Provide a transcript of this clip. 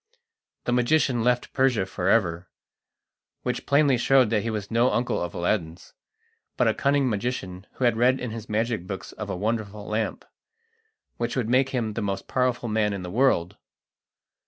The magician left Persia for ever, which plainly showed that he was no uncle of Aladdin's, but a cunning magician who had read in his magic books of a wonderful lamp, which would make him the most powerful man in the world.